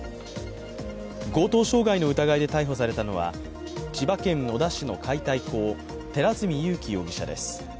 強盗傷害の疑いで逮捕されたのは千葉県野田市の解体工寺墨優紀容疑者です。